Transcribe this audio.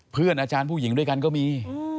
เพื่อนอาจารย์ผู้หญิงด้วยกันก็มี